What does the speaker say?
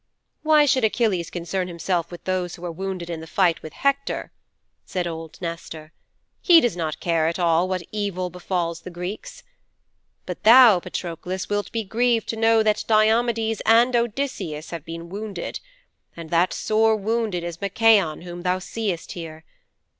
"' '"Why should Achilles concern himself with those who are wounded in the fight with Hector?" said old Nestor. "He does not care at all what evils befall the Greeks. But thou, Patroklos, wilt be grieved to know that Diomedes and Odysseus have been wounded, and that sore wounded is Machaon whom thou seest here.